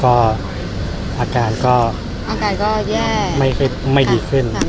ภาษาสนิทยาลัยสุดท้าย